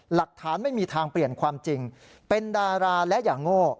หลักฐานไม่มีทางเปลี่ยนความจริงเป็นดาราและอย่างโง่